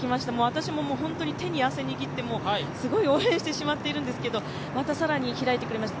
私も本当に手に汗握って、すごい応援してしまっているんですけどまた更に開いてくれました。